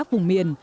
và các vùng miền